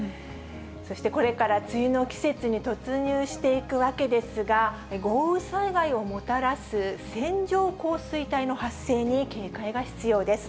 そしてこれから梅雨の季節に突入していくわけですが、豪雨災害をもたらす線状降水帯の発生に警戒が必要です。